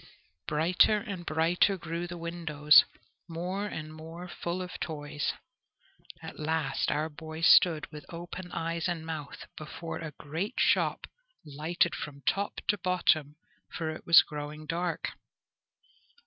Brighter and brighter grew the windows, more and more full of toys. At last our boy stood, with open eyes and mouth, before a great shop lighted from top to bottom, for it was growing dark.